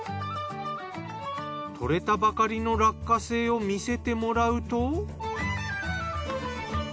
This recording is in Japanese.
採れたばかりの落花生を見せてもらうと。